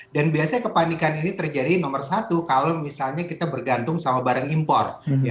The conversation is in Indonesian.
dan biasanya kepanikan ini terjadi nomor satu kalau misalnya kita bergantung sama barang impor